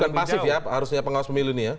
jadi bukan pasif ya harusnya pengawas pemilu ini ya